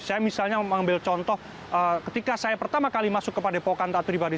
saya misalnya mengambil contoh ketika saya pertama kali masuk ke padepokan taat pribadi